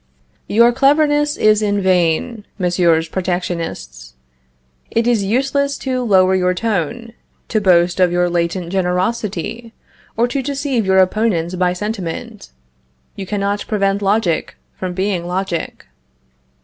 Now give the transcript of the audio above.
Your cleverness is in vain, Messieurs Protectionists, it is useless to lower your tone, to boast of your latent generosity, or to deceive your opponents by sentiment. You cannot prevent logic from being logic.